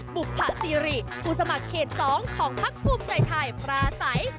บุภซีรีผู้สมัครเขต๒ของพักภูมิใจไทยปราศัย